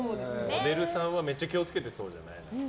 モデルさんはめっちゃ気をつけてそうだね。